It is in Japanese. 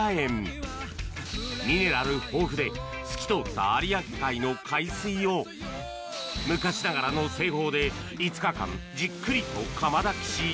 ミネラル豊富で透き通った有明海の海水を昔ながらの製法で５日間じっくりと釜炊きし濃縮